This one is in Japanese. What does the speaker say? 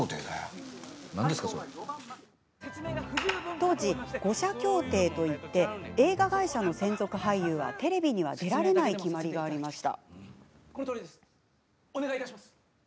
当時、五社協定といって映画会社の専属俳優はテレビには出られない決まりがありました。